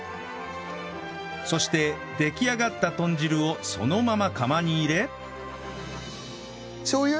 そして出来上がった豚汁をそのまま釜に入れしょう油？